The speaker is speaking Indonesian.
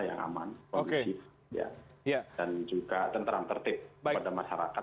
yang aman kondusif dan juga tenteram tertib pada masyarakat